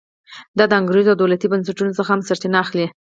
دا د انګېزو او دولتي بنسټونو څخه هم سرچینه اخلي.